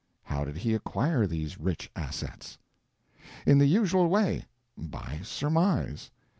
How did he acquire these rich assets? In the usual way: by surmise.